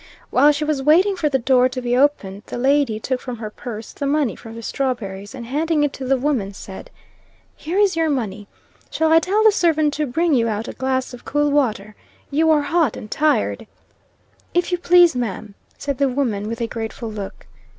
While she was waiting for the door to be opened, the lady took from her purse the money for the strawberries, and handing it to the woman, said: "Here is your money. Shall I tell the servant to bring you out a glass of cool water? You are hot and tired." "If you please, ma'am," said the woman, with a grateful look.